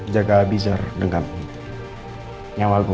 jaga beazer dengan nyamaku